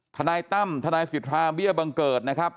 ทนายตั้มทนายสิทธาเบี้ยบังเกิดนะครับ